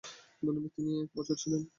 তিনি এক বছর ছিলেন।